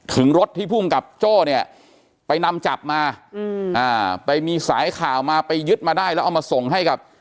ถึงรถที่ภูมิกับโจ้เนี่ยไปนำจับมาไปมีสายข่าวมาไปยึดมาได้แล้วเอามาส่งให้กับ